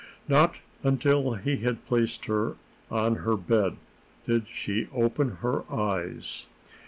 Not until he had placed her on her bed did she open her eyes.